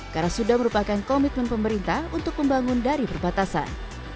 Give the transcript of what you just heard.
karena sudah merupakan komitmen pemerintah untuk pembangun dari perbatasan